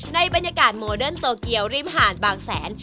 ในบรรยากาศโมเดิร์นโตเกียวริมหาดบางแสน